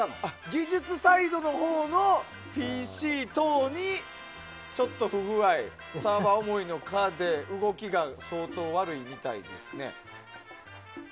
技術サイドのほうのＰＣ等に不具合、サーバーが重いので動きが相当悪いみたいですね。